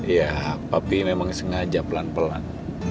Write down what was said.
ya tapi memang sengaja pelan pelan